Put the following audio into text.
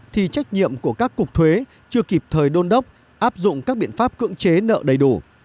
thì trách nhiệm của các cục thuế chưa kịp thời đôn đốc áp dụng các biện pháp cưỡng chế nợ đầy đủ